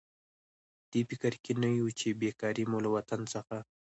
په دې فکر کې نه یو چې بېکاري مو له وطن څخه.